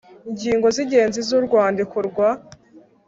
Ingingo z ingenzi z urwandiko rwa